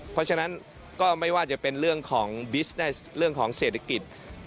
เพราะฉะนั้นก็ไม่ว่าจะเป็นเรื่องของบิสเซนส์เรื่องของเศรษฐกิจ